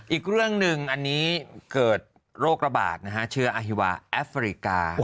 อีกเรื่องหนึ่งอันนี้เกิดโรคระบาดนะฮะเชื้ออาฮิวาแอฟริกา